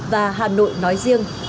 và hà nội nói riêng